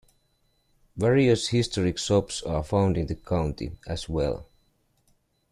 Various historic shops are found in the county, as well.